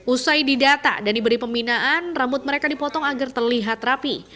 usai didata dan diberi pembinaan rambut mereka dipotong agar terlihat rapi